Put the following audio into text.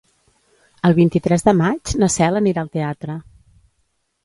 El vint-i-tres de maig na Cel anirà al teatre.